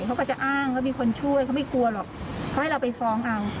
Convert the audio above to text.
เขาก็จะอ้างว่ามีคนช่วยเขาไม่กลัวหรอกเขาให้เราไปฟ้องเอา